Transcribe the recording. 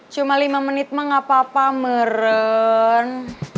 cuma lima menit mengapa pameran